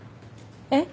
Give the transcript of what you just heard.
えっ？